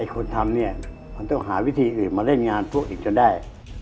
คนทำเนี่ยมันต้องหาวิธีอื่นมาเล่นงานพวกอีกจนได้